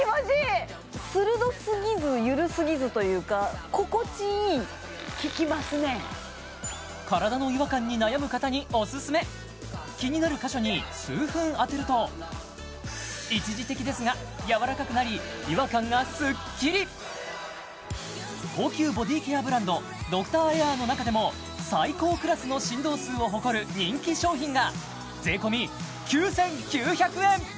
鋭すぎず緩すぎずというか体の違和感に悩む方にオススメ気になる箇所に数分当てると一時的ですがやわらかくなり違和感がスッキリ高級ボディケアブランドドクターエアの中でも最高クラスの振動数を誇る人気商品が税込９９００円